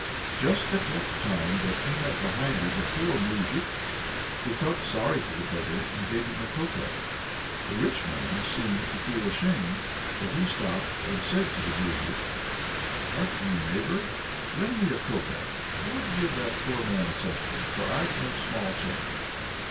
Just at that time there came up behind him a poor moujik, who felt sorry for the beggar, and gave him a copeck. The rich man seemed to feel ashamed, for he stopped and said to the moujik: "Harkye, neighbor, lend me a copeck. I want to give that poor man something, but I've no small change."